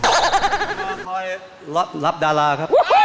คอยรับดาราครับ